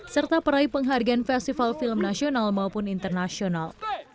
serta peraih penghargaan festival film nasional maupun internasional